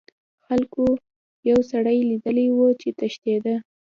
خلکو یو سړی لیدلی و چې تښتیده.